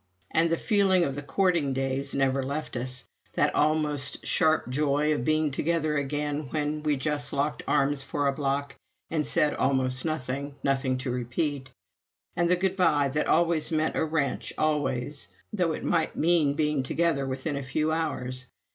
And the feeling of the courting days never left us that almost sharp joy of being together again when we just locked arms for a block and said almost nothing nothing to repeat. And the good bye that always meant a wrench, always, though it might mean being together within a few hours.